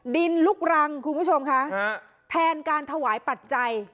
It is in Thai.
ลุกรังคุณผู้ชมค่ะแทนการถวายปัจจัย